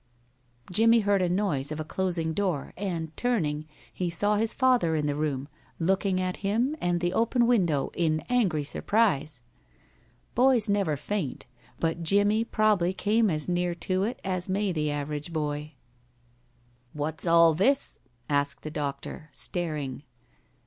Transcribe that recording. Jimmie heard a noise of a closing door, and turning, he saw his father in the room looking at him and the open window in angry surprise. Boys never faint, but Jimmie probably came as near to it as may the average boy. "What's all this?" asked the doctor, staring.